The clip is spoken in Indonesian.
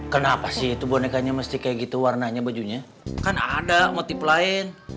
kenapa sih itu bonekanya mesti kayak gitu warnanya bajunya kan ada motif lain